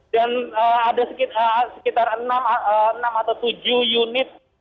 dan ada sekitar enam atau tujuh unit